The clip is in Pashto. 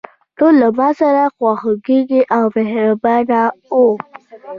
ټول له ماسره خواخوږي او مهربانه وو.